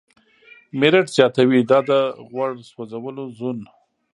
میرټ زیاتوي، دا د "غوړ سوځولو زون